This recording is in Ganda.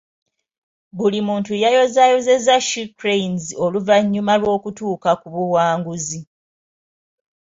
Buli muntu yayozaayozezza She cranes oluvannyuma lw'okutuuka ku buwanguzi.